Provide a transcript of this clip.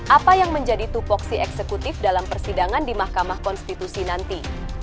apa yang menjadi tupoksi eksekutif dalam persidangan di mahkamah konstitusi nanti